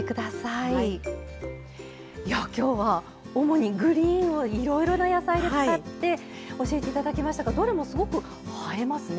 いやぁ今日は主にグリーンをいろいろな野菜で使って教えて頂きましたがどれもすごく映えますね緑色も。